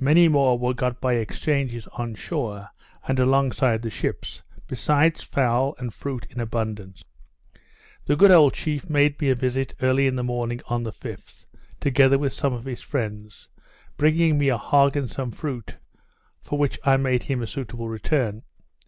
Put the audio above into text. Many more were got by exchanges on shore, and along side the ships; besides fowls and fruit in abundance. This good old chief made me a visit early in the morning on the 5th, together with some of his friends, bringing me a hog and some fruit, for which I made him a suitable return.